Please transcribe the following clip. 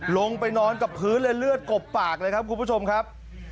ลงไปนอนกับพื้นเลยเลือดกบปากเลยครับคุณผู้ชมครับ